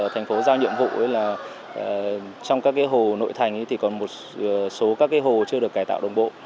thành phố giao nhiệm vụ là trong các hồ nội thành thì còn một số các hồ chưa được cải tạo đồng bộ